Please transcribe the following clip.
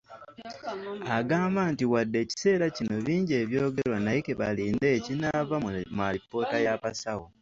Agamba nti wadde ekiseera kino bingi ebyogerwa naye ke balinde ekinaava mu alipoota y’abasawo